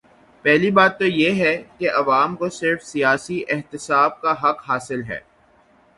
پہلی بات تو یہ ہے کہ عوام کو صرف سیاسی احتساب کا حق حاصل ہے۔